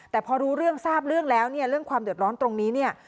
แต่พอรู้เรื่องทราบเรื่องแล้วเนี่ยเรื่องความเดือดร้อนตรงนี้เนี่ย